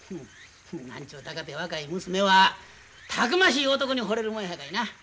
何ちゅうたかて若い娘はたくましい男にほれるもんやさかいな。